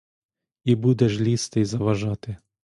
І буде ж лізти й заважати!